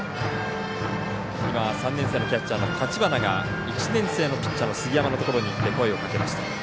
３年生のキャッチャーの立花が１年生のピッチャーの杉山のところに行って声をかけました。